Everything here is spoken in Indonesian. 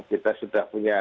kita sudah punya